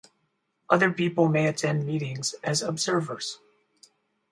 Other people may attend meetings as observers.